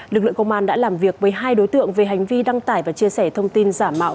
lực lượng công an đã làm việc với hai đối tượng về hành vi đăng tải và chia sẻ thông tin giả mạo